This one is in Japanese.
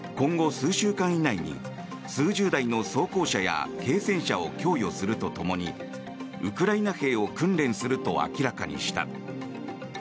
共同声明ではフランスはウクライナに対し今後、数週間以内に数十台の装甲車や軽戦車を供与するとともにウクライナ兵を訓練すると明らかにした。